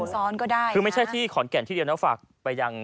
สรุปแล้วประมาณนึง